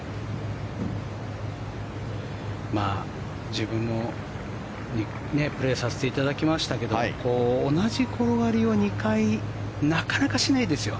自分もプレーさせていただきましたけど同じ転がりを２回なかなかしないですよ。